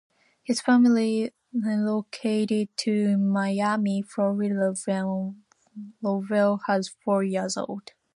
His family relocated to Miami, Florida when Lowell was four years old.